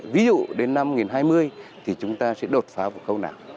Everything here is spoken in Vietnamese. ví dụ đến năm hai nghìn hai mươi thì chúng ta sẽ đột phá vào khâu nào